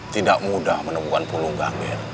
tidak mudah menemukan pulungga